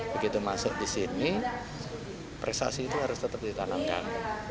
begitu masuk di sini prestasi itu harus tetap ditanamkan